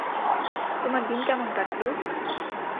তোমার দিন কেমন কাটলো?